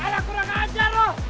ada kurang ajar loh